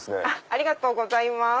ありがとうございます。